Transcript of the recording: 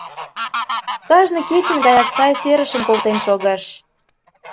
Кажне кечын гаяк сай серышым колтен шогыш.